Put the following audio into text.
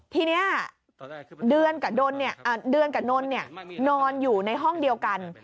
ที่เนี่ยเดือนกับนนเนี่ยนอนอยู่ในห้องเดียวกัน